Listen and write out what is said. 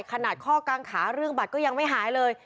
ขนาดข้อกางขาเรื่องบัตรก็ยังไม่หายเลย